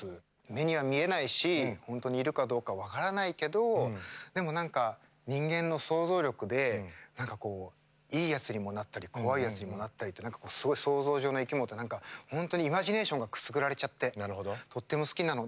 目には見えないし本当にいるかどうか分からないけどでも、なんか人間の想像力でいいやつにもなったり怖いやつにもなったりってすごい想像上の生き物ってなんか本当にイマジネーションがくすぐられちゃってとっても好きなの。